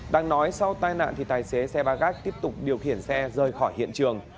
đang nói sau tai nạn thì tài xế xe ba gác tiếp tục điều khiển xe rời khỏi hiện trường